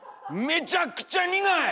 めちゃくちゃ苦い！